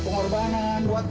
aduh apaan sih mak